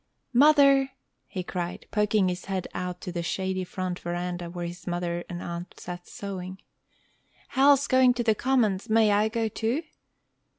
"Mother!" he cried, poking his head out to the shady front veranda where his mother and aunt sat sewing, "Hal's going to the commons; may I go too?"